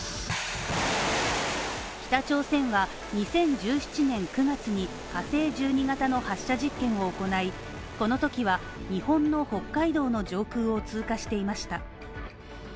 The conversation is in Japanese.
北朝鮮は２０１１年９月に火星１２型の発射実験を行い、このときは日本の北海道の上空を通過していました。